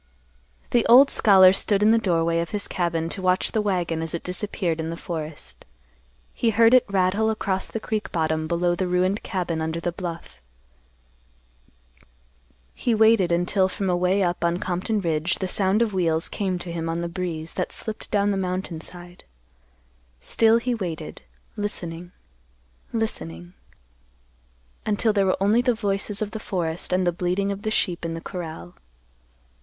The old scholar stood in the doorway of his cabin to watch the wagon as it disappeared in the forest. He heard it rattle across the creek bottom below the ruined cabin under the bluff. He waited until from away up on Compton Ridge the sound of wheels came to him on the breeze that slipped down the mountain side. Still he waited, listening, listening, until there were only the voices of the forest and the bleating of the sheep in the corral.